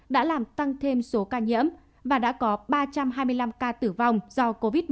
đã làm tăng thêm số ca nhiễm và đã có ba trăm hai mươi năm ca tử vong do covid một mươi chín